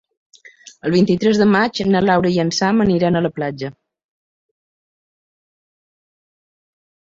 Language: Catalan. El vint-i-tres de maig na Laura i en Sam aniran a la platja.